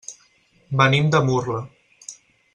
Venim de Murla.